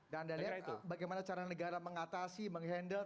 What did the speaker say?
dan anda lihat bagaimana cara negara mengatasi menghandle